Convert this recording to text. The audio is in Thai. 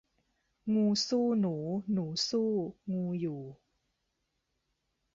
งูสู้หนูหนูสู้ งูอยู่